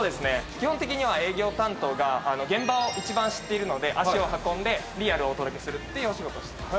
基本的には営業担当が現場を一番知っているので足を運んでリアルをお届けするっていうお仕事をしています。